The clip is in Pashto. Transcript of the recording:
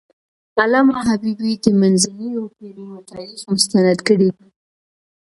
علامه حبيبي د منځنیو پېړیو تاریخ مستند کړی دی.